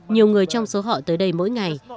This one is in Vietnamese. nhiều người trong số họ tới đây mỗi ngày